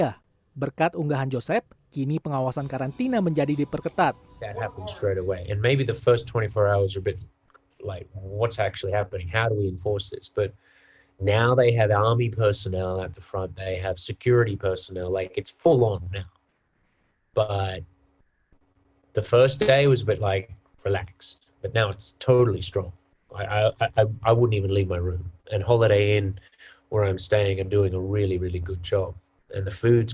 nah berkat unggahan joseph kini pengawasan karantina menjadi diperketat